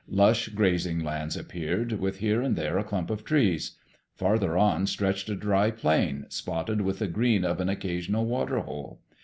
Lush grazing lands appeared, with here and there a clump of trees. Farther on stretched a dry plain, spotted with the green of an occasional water hole.